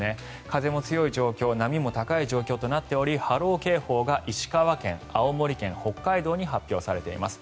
風も強い状況波も高い状況となっており波浪警報が石川県、青森県北海道に発表されています。